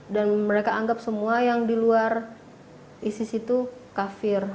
dan mereka anggap semua yang di luar isis itu kafir